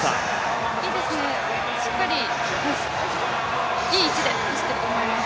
いいですね、しっかりいい位置で走っていると思います。